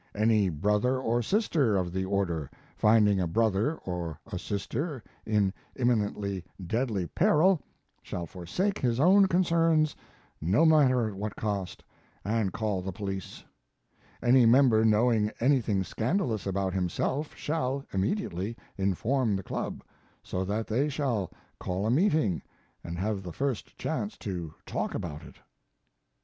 Any brother or sister of the order finding a brother or a sister in imminently deadly peril shall forsake his own concerns, no matter at what cost, and call the police. Any member knowing anything scandalous about himself shall immediately inform the club, so that they shall call a meeting and have the first chance to talk about it.